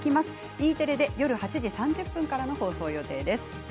Ｅテレで夜８時３０分からの放送予定です。